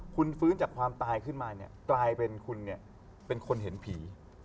คุณฟื้นจากความตายขึ้นมาเนี่ยกลายเป็นคุณเนี่ยเป็นคนเห็นผี